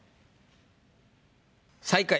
最下位。